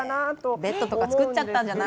ベッドとか作ったんじゃない？